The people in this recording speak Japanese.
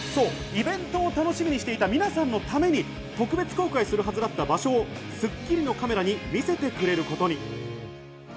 イベントを楽しみにしていた皆さんのために特別公開する予定だった場所を『スッキリ』のカメラに見せてくれることに。